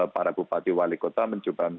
para bupati wali kota mencoba